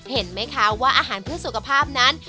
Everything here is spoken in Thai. เห็นไหมคะว่าอาหารเพื่อสุขภาพนั้น